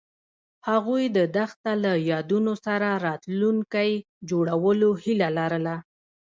هغوی د دښته له یادونو سره راتلونکی جوړولو هیله لرله.